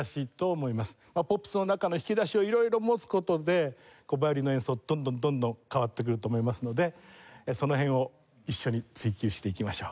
ポップスの中の引き出しを色々持つ事でヴァイオリンの演奏どんどんどんどん変わってくると思いますのでその辺を一緒に追究していきましょう。